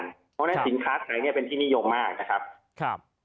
เพราะฉะนั้นสินค้าไทยเป็นที่นิยมมาก